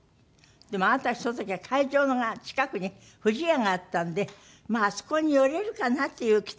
でもあなたその時は会場が近くに不二家があったんであそこに寄れるかな？っていう期待があったんですって？